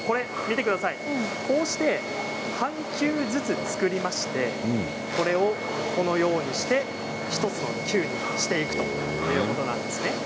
こうして半球ずつ作りまして、これをこのようにして１つの球にしていくということです。